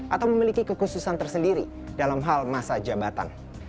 atau memiliki kekhususan tersendiri dalam hal masa jabatan